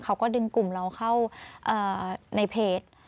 เขาก็ดึงกลุ่มเราเข้าในเพจ